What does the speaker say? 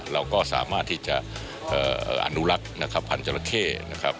เราก็สามารถที่จะอนุลักษณ์พันธุ์จริงนะครับ